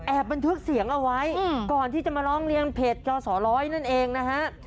บันทึกเสียงเอาไว้ก่อนที่จะมาร้องเรียนเพจจสร้อยนั่นเองนะฮะ